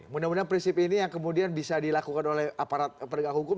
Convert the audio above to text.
mudah mudahan prinsip ini yang kemudian bisa dilakukan oleh aparat penegak hukum